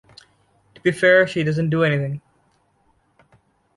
To be fair she doesn't do anything.